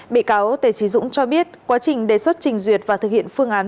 bị cáo tề trí dũng cho biết quá trình đề xuất trình duyệt và thực hiện phương án